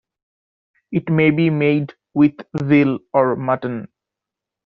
It may be made with veal or mutton.